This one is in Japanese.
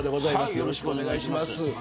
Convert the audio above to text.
よろしくお願いします。